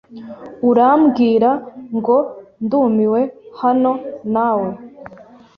Urambwira ngo ndumiwe hano nawe?